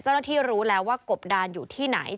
เจ้าหน้าที่รู้แล้วว่ากบดานอยู่ที่ไหน